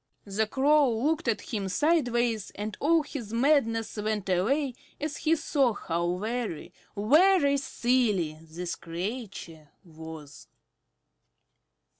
The Crow looked at him sideways, and all his madness went away as he saw how very, very silly this creature was.